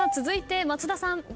続いて松田さん。